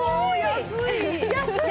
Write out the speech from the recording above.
安い！